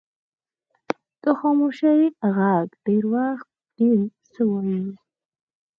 د خاموشۍ ږغ ډېر وخت ډیر څه وایي.